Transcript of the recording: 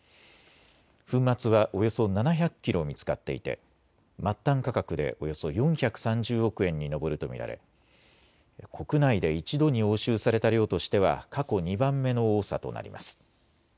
粉末はおよそ７００キロ見つかっていて末端価格でおよそ４３０億円に上ると見られ国内で一度に押収された量としては過去２番目の多さとなります。